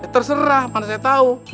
terserah mana saya tau